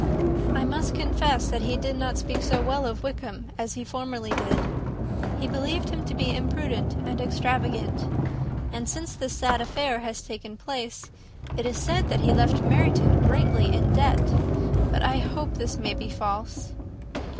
"I must confess that he did not speak so well of Wickham as he formerly did. He believed him to be imprudent and extravagant; and since this sad affair has taken place, it is said that he left Meryton greatly in debt: but I hope this may be false."